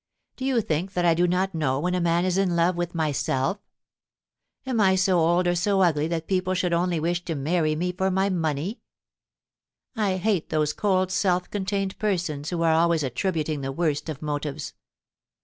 Do you think that I do not know when a man is in love with myself^ Am I so old or so ugly that people should only wish to marry me for my money ? I hate those cold, self contained persons who are always attributing the worst of motives.